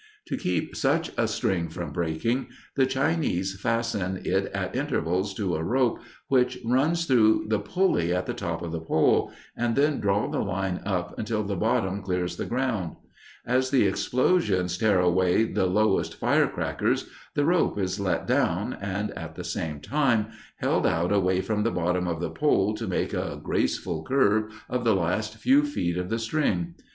To keep such a string from breaking, the Chinese fasten it at intervals to a rope which runs through the pulley at the top of the pole, and then draw the line up until the bottom clears the ground. As the explosions tear away the lowest crackers, the rope is let down and, at the same time, held out away from the bottom of the pole to make a graceful curve of the last few feet of the string.